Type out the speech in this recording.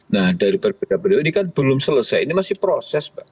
nah dari periode ini kan belum selesai ini masih proses mbak